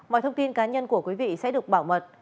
mọi thông tin cá nhân của quý vị sẽ được bảo mật